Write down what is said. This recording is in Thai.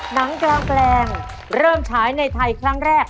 หนังกลางแปลงเริ่มฉายในไทยครั้งแรก